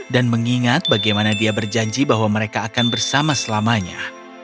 dan mengingat bagaimana dia berjanji bahwa mereka akan bersama selamanya